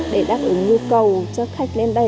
để đáp ứng nhu cầu cho khách lên đây